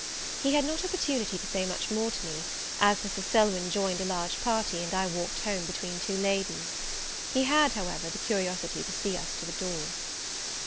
He had not opportunity to say much more to me, as Mrs. Selwyn joined a large party, and I walked home between two ladies. He had, however, the curiosity to see us to the door.